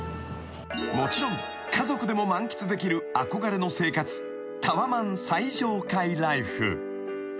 ［もちろん家族でも満喫できる憧れの生活タワマン最上階ライフ］